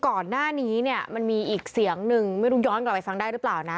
ก่อนหน้านี้เนี่ยมันมีอีกเสียงหนึ่งไม่รู้ย้อนกลับไปฟังได้หรือเปล่านะ